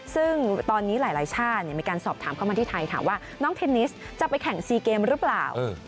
ซึ่งตอนนี้หลายชาติมีการสอบถามเข้ามาที่ไทยถามว่าน้องเทนนิสจะไปแข่งซีเกมหรือเปล่า